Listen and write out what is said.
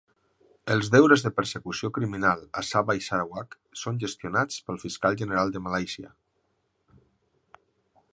Els deures de persecució criminal a Sabah i Sarawak són gestionats pel fiscal general de Malàisia.